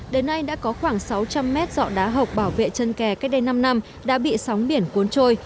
đến nay đã có khoảng sáu trăm linh mét dọ đá hộc bảo vệ chân kè cách đây năm năm đã bị sóng biển cuốn trôi